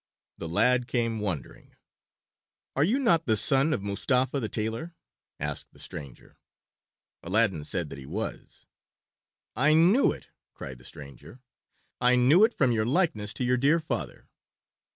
The lad came, wondering. "Are you not the son of Mustapha the tailor?" asked the stranger. Aladdin said that he was. "I knew it," cried the stranger. "I knew it from your likeness to your dear father."